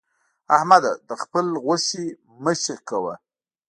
احمده! د خبل غوښې مه شکوه.